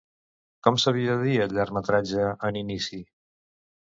Com s'havia de dir el llargmetratge en inici?